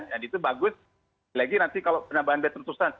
dan itu bagus lagi nanti kalau penambahan bed terus terusan